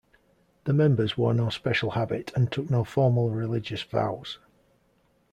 The members wore no special habit and took no formal religious vows.